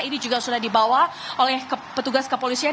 ini juga sudah dibawa oleh petugas kepolisian